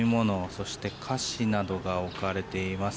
そして、菓子などが置かれています。